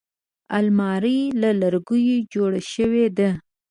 الماري له لرګیو جوړه شوې ده